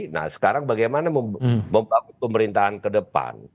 nah sekarang bagaimana membangun pemerintahan kedepan